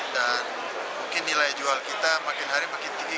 dan mungkin nilai jual kita makin hari makin tinggi